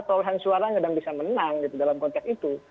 perolehan suaranya dan bisa menang gitu dalam konteks itu